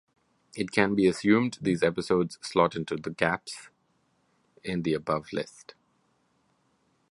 It can be assumed these episodes slot into the gaps in the above list.